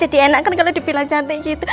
jadi enak kan kalo dibilang cantik gitu